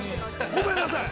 ごめんなさい。